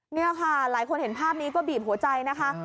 นี่ค่ะหลายคนเห็นภาพนี้ก็บีบหัวใจนะคะ